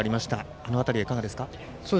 あの辺りはいかがですか？